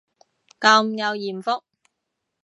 咁有艷福